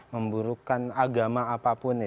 memburukan agama apapun